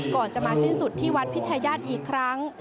ก่อนจะมาสิ้นสุดที่วัดพิชายาทอีกครั้ง